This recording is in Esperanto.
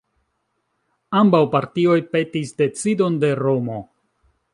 Ambaŭ partioj petis decidon de Romo.